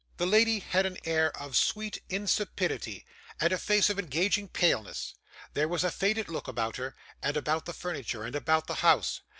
The lady had an air of sweet insipidity, and a face of engaging paleness; there was a faded look about her, and about the furniture, and about the house.